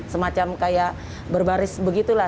semacam kayak berbaris begitulah